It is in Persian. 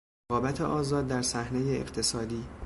رقابت آزاد در صحنهی اقتصادی